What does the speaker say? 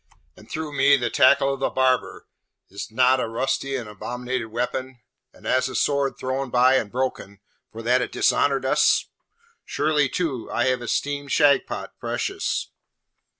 And through me the tackle of the barber, is't not a rusty and abominated weapon, and as a sword thrown by and broken, for that it dishonoured us? Surely, too, I have esteemed Shagpat precious.'